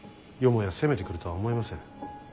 よもや攻めてくるとは思えません。